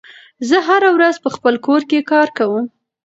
زه هره ورځ په خپل کور کې کار کوم.